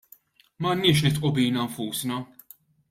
M'għandniex nidħku bina nfusna.